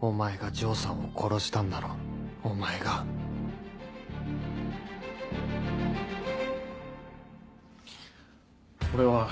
お前が丈さんを殺したんだろお前が俺は。